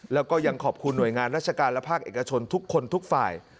แล้วก็ยังขอบคุณหน่วยงานราชการและภาคเอกชนทุกคนทุกฝ่าย